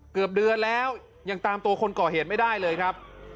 เกือบเดือนแล้วยังตามตัวคนก่อเหตุไม่ได้เลยครับ